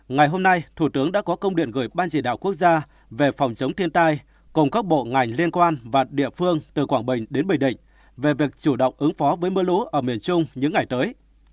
ngày hôm nay thủ tướng đã có công điện gửi ban chỉ đạo quốc gia về phòng chống thiên tai cùng các bộ ngành liên quan và địa phương từ quảng bình đến bình định về việc chủ động ứng phó với mưa lũ ở miền trung những ngày tới